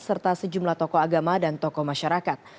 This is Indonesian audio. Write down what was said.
serta sejumlah tokoh agama dan tokoh masyarakat